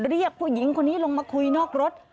เรียกผู้หญิงคนนี้ลงมาคุยนอกรถ